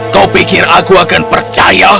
kau pikir aku akan percaya